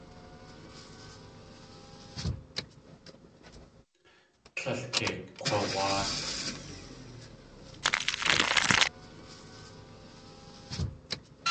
Tlél kei kg̲wawáat.